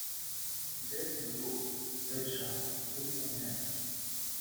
"There's no joke," said Shah, with some haste.